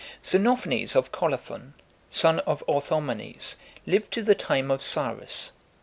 Xenophanes of Kolophon, son of Orthomenes, lived to the time of Cyrus.